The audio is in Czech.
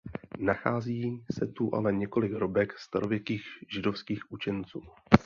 Nachází se tu ale několik hrobek starověkých židovských učenců.